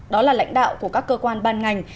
đó là lãnh đạo của các cơ quan ban ngành